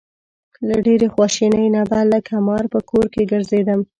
له ډېرې خواشینۍ نه به لکه مار په کور کې ګرځېدم.